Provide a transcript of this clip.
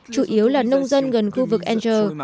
chủ yếu là nông dân gần khu vực angers